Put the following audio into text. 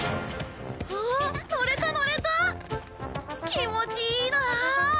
気持ちいいなあ！